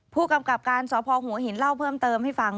ผู้กำกับการสพหัวหินเล่าเพิ่มเติมให้ฟัง